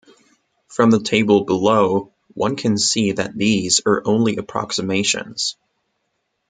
From the table below, one can see that these are only approximations.